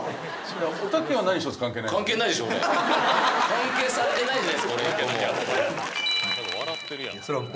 関係されてないじゃないですか俺１個も。